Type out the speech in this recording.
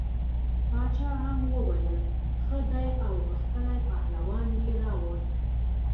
باچا هم وویل ښه دی او غښتلی پهلوان یې راووست.